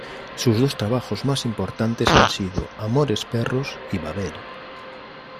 Sus dos trabajos más importantes han sido "Amores perros" y "Babel".